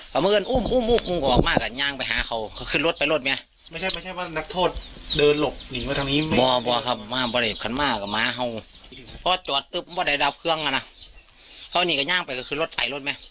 คือถ้าฟังจากข้อมูลของเจ้าของสวนยางพารา